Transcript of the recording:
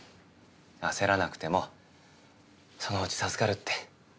焦らなくてもそのうち授かるって。